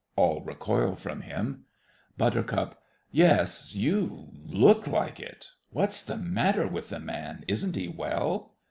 (All recoil from him.) BUT. Yes, you look like it! What's the matter with the man? Isn't he well?